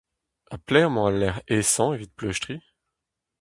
Ha pelec'h emañ al lec'h aesañ evit pleustriñ ?